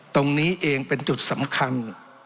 ตรงนี้เองเป็นจุดสำคัญ